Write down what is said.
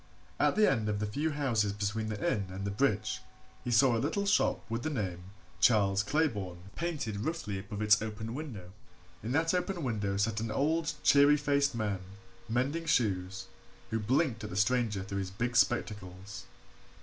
At the end of the few houses between the inn and the bridge he saw a little shop with the name Charles Claybourne painted roughly above its open window. In that open window sat an old, cheery faced man, mending shoes, who blinked at the stranger through his big spectacles.